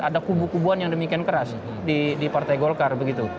ada kubu kubuan yang demikian keras di partai golkar begitu